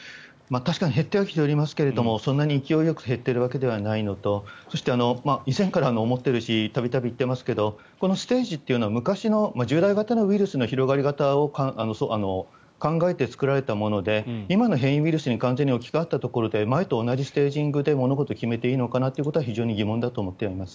確かに減ってはきていますがそんなに勢いよく減っているのではないのとそれと以前から思っているし度々言ってますがこのステージというのは昔の従来型のウイルスの広がり方を考えて作られたもので今の変異ウイルスに完全に置き換わったところで前と同じステージングで物事を決めていいのかなと非常に疑問に思っております。